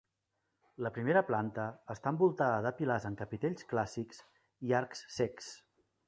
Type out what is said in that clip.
La primera planta està envoltada de pilars amb capitells clàssics i arcs cecs.